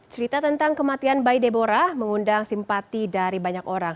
cerita tentang kematian bayi deborah mengundang simpati dari banyak orang